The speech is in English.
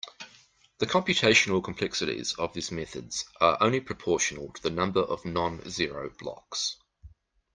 The computational complexities of these methods are only proportional to the number of non-zero blocks.